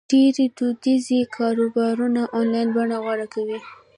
ډېری دودیز کاروبارونه آنلاین بڼه غوره کوي.